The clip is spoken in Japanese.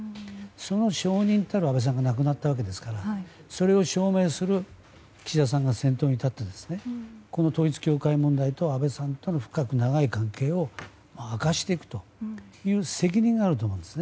その証人の安倍さんが亡くなったわけですからそれを証明する岸田さんが先頭に立って旧統一教会問題と安倍さんとの深く長い関係を明かしていくという責任があると思うんです。